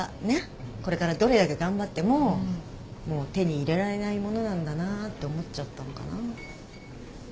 これからどれだけ頑張ってももう手に入れられないものなんだなと思っちゃったのかな。